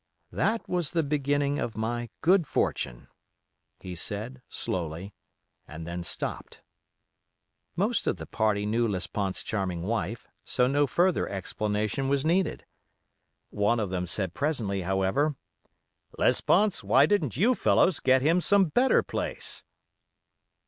"That was the beginning of my good fortune," he said, slowly, and then stopped. Most of the party knew Lesponts's charming wife, so no further explanation was needed. One of them said presently, however, "Lesponts, why didn't you fellows get him some better place?"